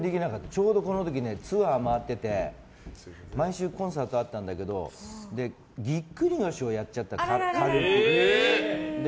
ちょうどこの時、ツアー回ってて毎週コンサートがあったんだけどぎっくり腰をやっちゃった還暦で。